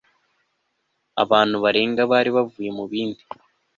abantu barenga bari bavuye mu bindi